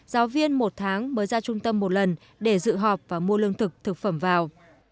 giáo viên một tháng mới ra trung tâm một lần để dự họp và mua lương thực thực phẩm vào